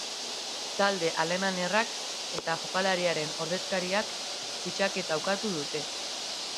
Talde alemaniarrak eta jokalariaren ordezkariak fitxaketa ukatu dute.